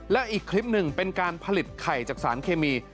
และอีกคลิปหนึ่งเป็นการผลิตไข่จากสารเคมี